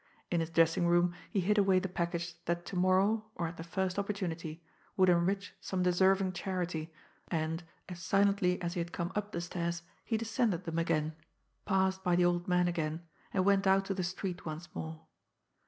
In his dressing room, he hid away the package that tomorrow, or at the first opportunity, would enrich some deserving charity, and, as silently as he had come up the stairs, he descended them again, passed by the old man again, and went out to the street once more.